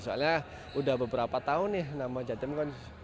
soalnya udah beberapa tahun nih nama jatim kan